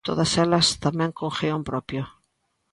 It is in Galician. Todas elas tamén con guión propio.